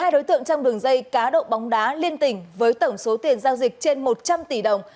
hai đối tượng trong đường dây cá độ bóng đá liên tỉnh với tổng số tiền giao dịch trên một trăm linh tỷ đồng